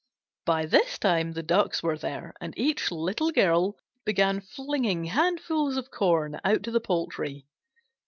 By this time the Ducks were there, and each Little Girl began flinging handfuls of corn out to the poultry.